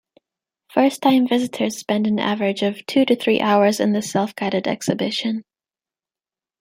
First-time visitors spend an average of two to three hours in this self-guided exhibition.